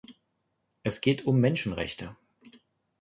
Es geht um Menschenrechte.